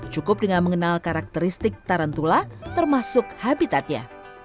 cukup dengan mengenal karakteristik tarantula termasuk habitatnya